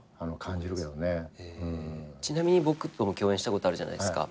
ちなみに僕とも共演したことあるじゃないですか。